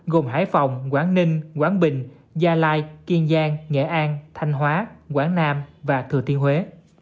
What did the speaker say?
gồm hải phòng quảng ninh quảng bình gia lai kiên giang nghệ an thanh hóa quảng nam và thừa thiên huế